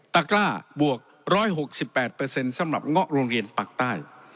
กล้าบวก๑๖๘สำหรับเงาะโรงเรียนปากใต้